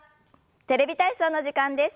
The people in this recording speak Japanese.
「テレビ体操」の時間です。